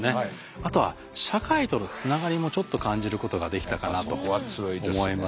あとは社会とのつながりもちょっと感じることができたかなと思います。